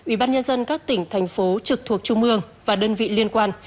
ubnd các tỉnh thành phố trực thuộc trung mương và đơn vị liên quan